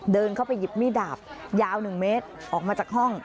เดินเข้าไปหยิบมีดดาบยาว๑เมตรออกมาจากห้อง